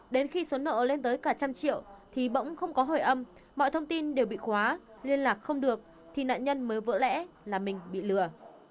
đến khi số nợ lên tới cả trăm triệu thì bỗng không có hồi âm mọi thông tin đều bị khóa liên lạc không được thì nạn nhân mới vỡ lẽ là mình bị lừa